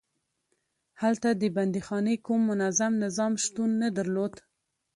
هلته د بندیخانې کوم منظم نظام شتون نه درلود.